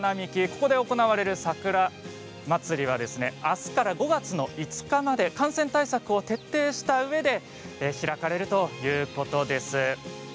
ここで行われるさくらまつりはあすから５月５日まで感染対策を徹底したうえで開かれるということです。